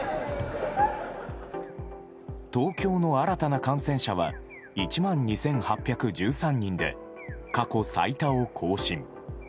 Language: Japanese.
東京の新たな感染者は１万２８１３人で過去最多を更新。